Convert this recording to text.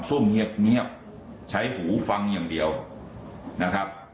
ุ่มเงียบใช้หูฟังอย่างเดียวนะครับ